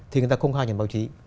thì người ta công khai nhà báo chí